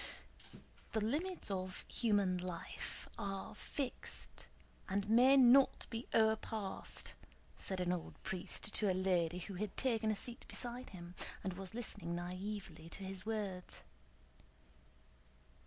"The limits of human life ... are fixed and may not be o'erpassed," said an old priest to a lady who had taken a seat beside him and was listening naïvely to his words.